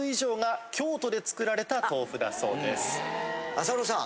浅野さん